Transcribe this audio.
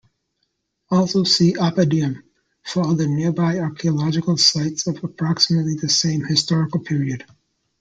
Also see Oppidium for other nearby archaeological sites of approximately the same historical period.